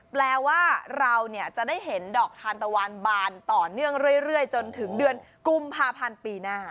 แปลว่าเราจะได้เห็นดอกทานตะวันบานต่อเนื่องเรื่อยจนถึงเดือนกุมภาพันธ์ปีหน้า